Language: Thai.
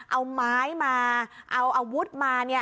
เอาไม้มาเอาอาวุธมา